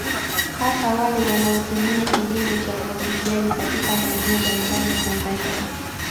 Hasa wale wanaotumia kilimo cha umwagiliaji katika maeneo mbalimbali ya Tanzania